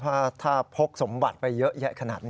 ถ้าพกสมบัติไปเยอะแยะขนาดนี้